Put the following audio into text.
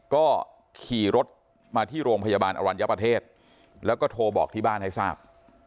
ก็ขี่รถมาที่โรงพยาบาลอรัญญประเทศแล้วก็โทรบอกที่บ้านให้ทราบ